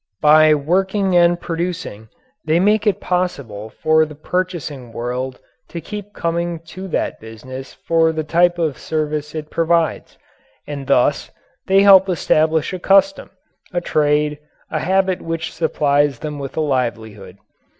By working and producing they make it possible for the purchasing world to keep coming to that business for the type of service it provides, and thus they help establish a custom, a trade, a habit which supplies them with a livelihood.